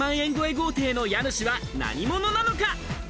豪邸の家主は何者なのか。